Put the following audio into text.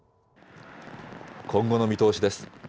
今後の見通しです。